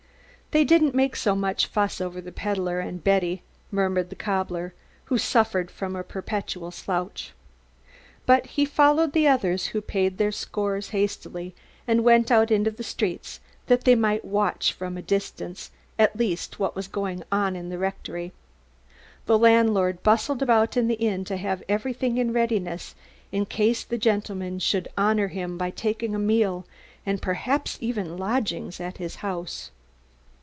"They didn't make so much fuss over the pedlar and Betty," murmured the cobbler, who suffered from a perpetual grouch. But he followed the others, who paid their scores hastily and went out into the streets that they might watch from a distance at least what was going on in the rectory. The landlord bustled about the inn to have everything in readiness in case the gentlemen should honour him by taking a meal, and perhaps even lodgings, at his house.